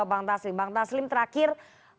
bang taslim bang taslim terakhir